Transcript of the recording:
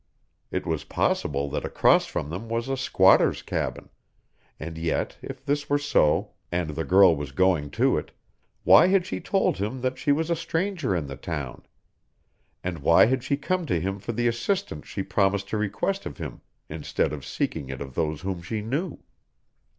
It was possible that across from them was a squatter's cabin; and yet if this were so, and the girl was going to it, why had she told him that she was a stranger in the town? And why had she come to him for the assistance she promised to request of him instead of seeking it of those whom she knew?